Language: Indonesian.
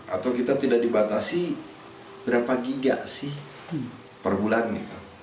atau kita tidak dibatasi berapa giga sih per bulannya